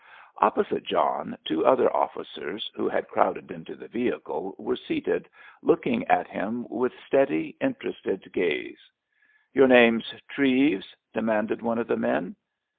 Opposite John two other officers, who had crowded into the vehicle, were seated, looking at him with steady, interested gaze. "Your name's Treves?" demanded one of the men.